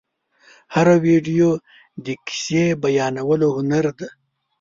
هره ویډیو د کیسې بیانولو هنر دی.